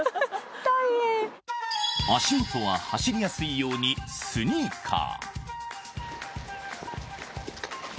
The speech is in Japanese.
足下は、走りやすいようにスニーカー。